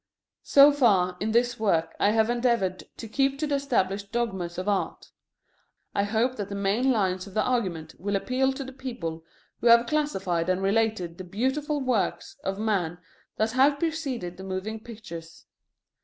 So far, in this work I have endeavored to keep to the established dogmas of Art. I hope that the main lines of the argument will appeal to the people who have classified and related the beautiful works of man that have preceded the moving pictures.